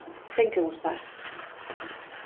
Ten que gustar.